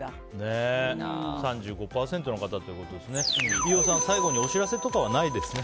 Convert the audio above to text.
飯尾さん、最後にお知らせとかはないですね？